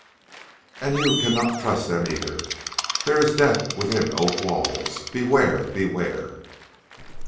'And you cannot trust them either! There is death within oak walls. Beware! beware!'